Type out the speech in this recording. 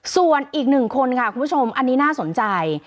ส่วนอีกหนึ่งคนค่ะคุณผู้ชมอันนี้น่าสนใจ